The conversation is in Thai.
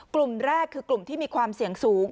กลุ่มแรกคือกลุ่มที่มีความเสี่ยงสูง